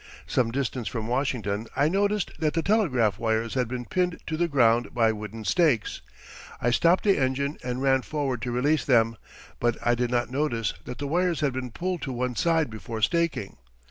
Some distance from Washington I noticed that the telegraph wires had been pinned to the ground by wooden stakes. I stopped the engine and ran forward to release them, but I did not notice that the wires had been pulled to one side before staking.